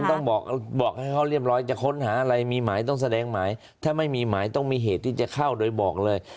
ต้องบอกให้เขาเรียบร้อยจะค้นหาอะไรมีหมายต้องแสดงหมายถ้าไม่มีหมายต้องมีเหตุที่จะเข้าโดยบอกเลย